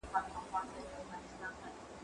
هغه وویل چې کار مهم دی،